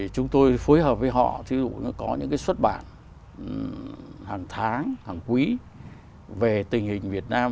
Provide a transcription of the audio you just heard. chúng tôi phối hợp với họ thí dụ nó có những xuất bản hàng tháng hàng quý về tình hình việt nam